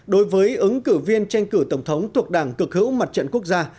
đối với ứng cử viên tranh cử tổng thống thuộc đảng cực hữu mặt trận quốc gia